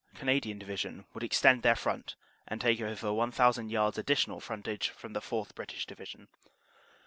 Canadian Division would extend their front and take over 1,000 yards additional front age from the 4th. (British) Division.